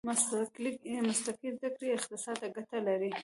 مسلکي زده کړې اقتصاد ته ګټه لري.